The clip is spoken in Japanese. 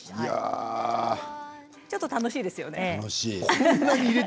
ちょっと楽しいですよね。